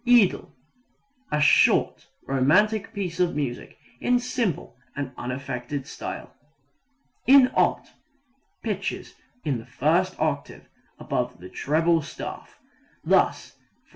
Idyl a short, romantic piece of music in simple and unaffected style. In alt pitches in the first octave above the treble staff. Thus _e.